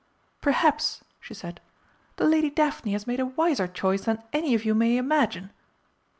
"Perhaps," she said, "the Lady Daphne has made a wiser choice than any of you may imagine."